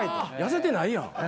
痩せてないやん。